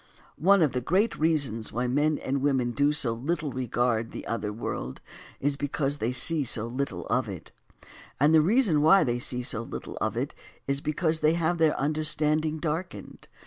One of the great reasons why men and women do so little regard the other world is because they see so little of it ; and the reason why they see so little of it is because they have their understand ing darkened.